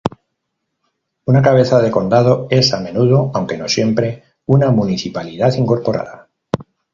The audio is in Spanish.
Una cabeza de condado es a menudo, aunque no siempre, una municipalidad incorporada.